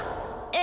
え？